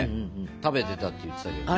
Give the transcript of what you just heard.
食べてたって言ってたけどね。